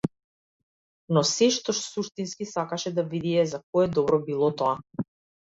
Но сѐ што суштински сакаше да види е за кое добро било тоа.